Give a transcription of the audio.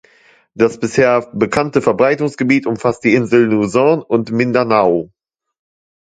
Das bisher bekannte Verbreitungsgebiet umfasst die Inseln Luzon und Mindanao.